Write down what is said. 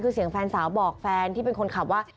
คือเสียงแฟนสาวบอกแฟนที่เป็นคนขับว่า